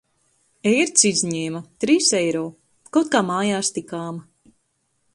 Ērci izņēma. Trīs eiro. Kaut kā mājās tikām.